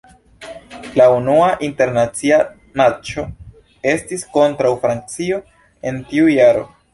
La unua internacia matĉo estis kontraŭ Francio en tiu jaro.